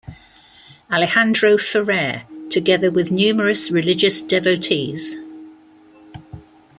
Alejandro Ferrer, together with numerous religious devotees.